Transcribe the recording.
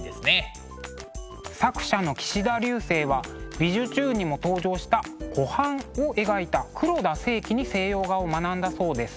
作者の岸田劉生は「びじゅチューン！」にも登場した「湖畔」を描いた黒田清輝に西洋画を学んだそうです。